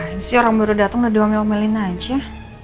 ini sih orang baru dateng udah duamel umelin aja